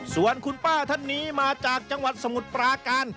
ส่วนคุณป้าท่านนี้มาจากจังหวัดสมุทรปราการ